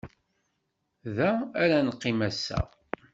Da ara neqqim ass-a.